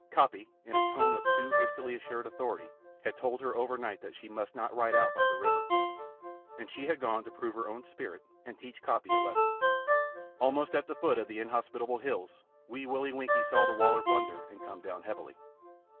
Coppy, in a tone of too hastily assumed authority, had told her overnight that she must not ride out by the river. And she had gone to prove her own spirit and teach Coppy a lesson. Almost at the foot of the inhospitable hills, Wee Willie Winkie saw the Waler blunder and come down heavily.